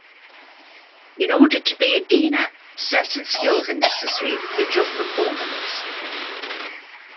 In order to be a diener, certain skills are necessary for job performance.